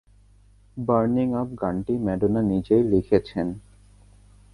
Burning up গানটি Madonna নিজেই লিখেছেন।